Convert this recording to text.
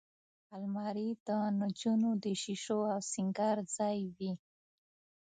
الماري د نجونو د شیشو او سینګار ځای وي